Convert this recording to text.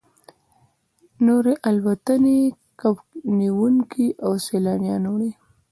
نورې الوتنې کب نیونکي او سیلانیان وړي